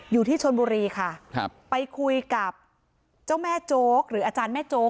อยู่ที่ชนบุรีค่ะครับไปคุยกับเจ้าแม่โจ๊กหรืออาจารย์แม่โจ๊ก